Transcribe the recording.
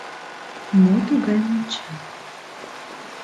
Мо тугай монча?